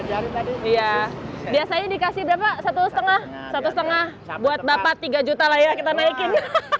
ya biasa dikasih berapa satu setengah satu setengah buat bapak tiga juta layak kita naikin